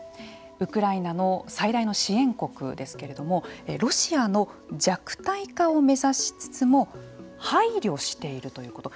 ウクライナの最大の支援国ですけれどもロシアの弱体化を目指しつつも配慮しているということ。